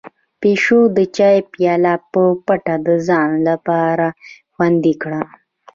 پيشو د چای پياله په پټه د ځان لپاره خوندي کړه.